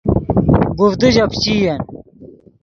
گوڤدے ژے پیچئین